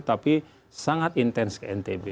tapi sangat intens ke ntb